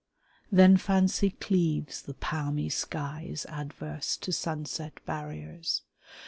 Then Fancy cleaves the palmy skies adverse To sunset barriers.